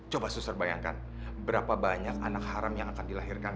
coba suster bayangkan berapa banyak anak haram yang akan dilahirkan